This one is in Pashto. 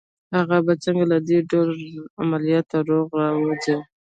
هغه به څنګه له دې ډول عملياته روغ را ووځي